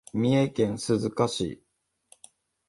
三重県鈴鹿市